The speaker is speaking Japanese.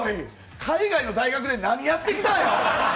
海外の大学で何やってきたんや。